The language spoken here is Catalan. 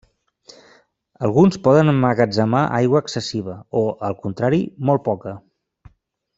Alguns poden emmagatzemar aigua excessiva o, al contrari, molt poca.